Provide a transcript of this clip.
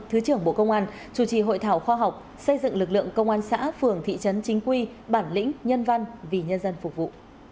thứ trưởng bộ công an chủ trì hội thảo khoa học xây dựng lực lượng công an xã phường thị trấn chính quy bản lĩnh nhân văn vì nhân dân phục vụ